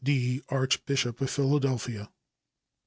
D., Archbishop of Philadelphia.